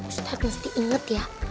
pak ustadz mesti inget ya